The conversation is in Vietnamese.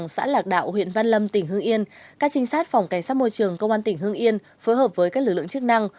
xã lạc đạo huyện văn lâm tỉnh hương yên các trinh sát phòng cảnh sát môi trường công an tỉnh hương yên phối hợp với các lực lượng chức năng